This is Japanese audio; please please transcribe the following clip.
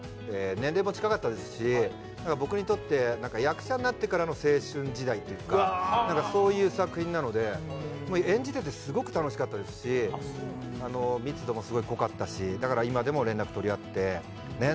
年齢も近かったですし僕にとって役者になってからの青春時代というか何かそういう作品なので演じててすごく楽しかったですしあの密度もすごい濃かったしだから今でも連絡取り合ってねっ